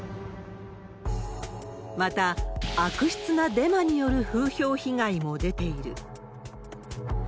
また、悪質なデマによる風評被害も出ている。